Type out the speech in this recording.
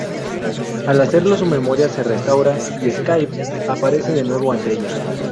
Al hacerlo su memoria se restaura y Skip aparece de nuevo ante ella.